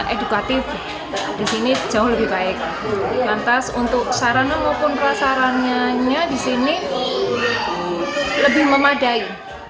edukatif disini jauh lebih baik lantas untuk sarana maupun prasarannya disini lebih memadai